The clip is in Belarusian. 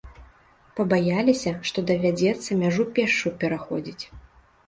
Пабаяліся, што давядзецца мяжу пешшу пераходзіць.